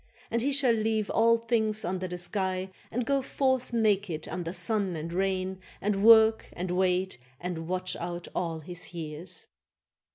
And he shall leave all things under the sky And go forth naked under sun and rain And work and wait and watch out all his years.